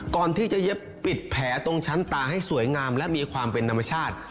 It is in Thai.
ก่อนที่จะเย็บปิดแผลตรงชั้นตาให้สวยงามและมีความเป็นธรรมชาติ